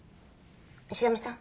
石上さん。